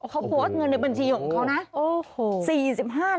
เขาโพสต์เงินในบัญชีของเขานะ